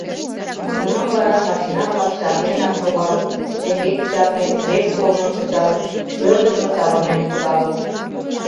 Тунам вара машина-влак чарненак шогалыт, шеҥгеке чакнен, вес корным кычалыт, ӧрдыжын савырнен кудалыт.